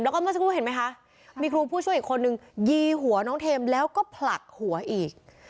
แล้วก็เห็นไหมคะมีครูผู้ช่วยอีกคนหนึ่งยีหัวน้องเทมแล้วก็ผลักหัวอีก